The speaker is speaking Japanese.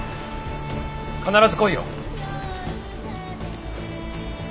必ず来いよ。